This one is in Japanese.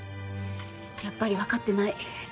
やっぱりわかってない。